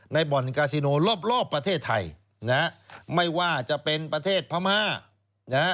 บ่อนกาซิโนรอบประเทศไทยนะฮะไม่ว่าจะเป็นประเทศพม่านะฮะ